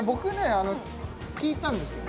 あの聞いたんですよ